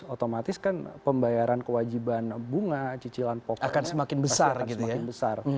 otomatis kan pembayaran kewajiban bunga cicilan pokoknya akan semakin besar